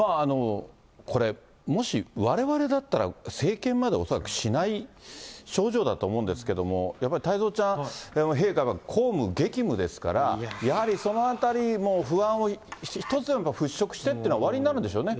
これ、もしわれわれだったら、生検まで恐らくしない症状だと思うんですけれども、やっぱり太蔵ちゃん、陛下が公務、激務ですから、やはりそのあたりも、不安を一つでも払拭してというのはおありになるんでしょうね。